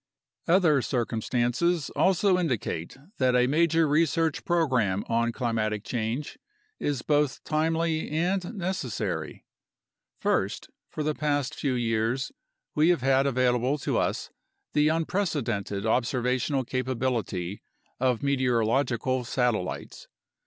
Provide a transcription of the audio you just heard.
Other circumstances also indicate that a major research program on climatic change is both timely and necessary. First, for the past few years we have had available to us the unprecedented observational capability of meteorological satellites.